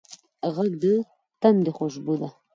غږ د تندي خوشبو ده